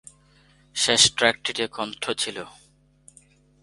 শেষ ট্র্যাকটিতে কণ্ঠ ছিল।